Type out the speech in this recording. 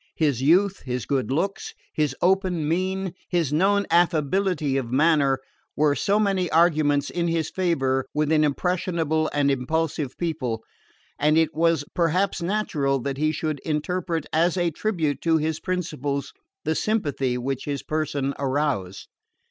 His youth, his good looks, his open mien, his known affability of manner, were so many arguments in his favour with an impressionable and impulsive people; and it was perhaps natural that he should interpret as a tribute to his principles the sympathy which his person aroused.